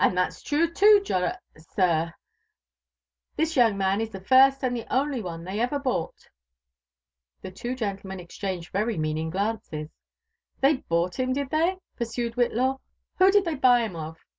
ITS '' And thal's true too, Jonft * ^ir* , This young man is the flnt luad the only one they ever bought^" The two gentlemen exchanged very meaning glances* They bought him, did they?" pursued Whitlaw. '* Who did they buy him of?"